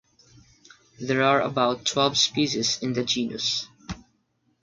There are about twelve species in the genus.